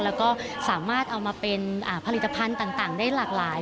แล้วก็สามารถเอามาเป็นผลิตภัณฑ์ต่างได้หลากหลาย